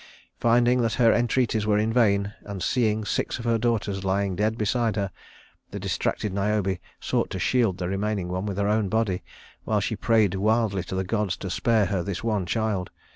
Finding that her entreaties were in vain, and seeing six of her daughters lying dead beside her, the distracted Niobe sought to shield the remaining one with her own body while she prayed wildly to the gods to spare her this one child.